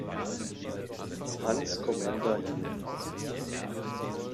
Hans Commenda jun.